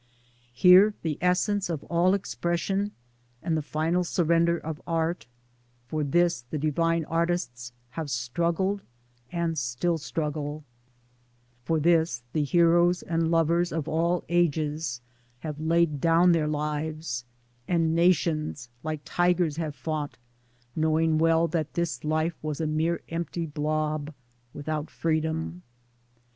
Here the essence of all expression, and the final surrender of Art — for this the divine Artists have struggled and still struggle ; io Towards Democracy For this the heroes and lovers of all ages have laid down their lives ; and nations like tigers have fought, knowing well that this life was a mere empty blob without Freedom.